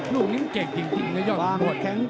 ลูกนี้เจ๋งจริงแล้วยอดของมนตร์